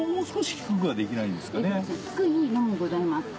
低いのもございます。